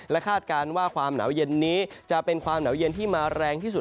คาดการณ์ว่าความหนาวเย็นนี้จะเป็นความหนาวเย็นที่มาแรงที่สุด